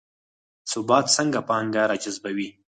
ثبات څنګه پانګه راجذبوي؟